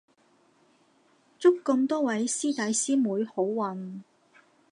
祝咁多位師弟師妹好運